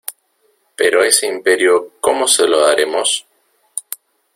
¿ pero ese Imperio cómo se lo daremos?